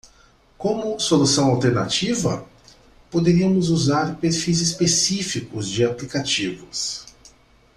Como solução alternativa?, poderíamos usar perfis específicos de aplicativos.